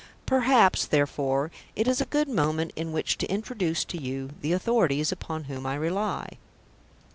Perhaps, therefore, it is a good moment in which to introduce to you the authorities upon whom I rely.